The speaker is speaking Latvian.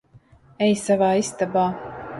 Ej savā istabā.